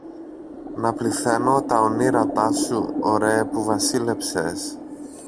να πληθαίνω τα ονείρατά σου, ωραίε που βασίλεψες